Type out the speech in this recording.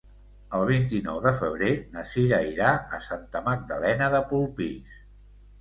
El vint-i-nou de febrer na Cira irà a Santa Magdalena de Polpís.